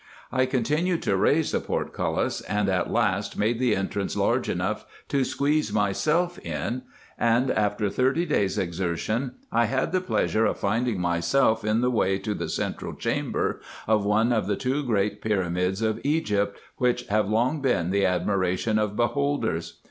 I continued to raise the portcullis, and at last made the entrance large enough to squeeze myself in ; and after thirty days 270 RESEARCHES AND OPERATIONS exertion I had the pleasure of finding myself in the way to the central chamber of one of the two great pyramids of Egypt, which have long been the admiration of beholders.